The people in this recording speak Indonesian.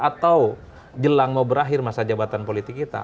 atau jelang mau berakhir masa jabatan politik kita